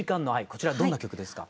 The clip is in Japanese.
こちらどんな曲ですか？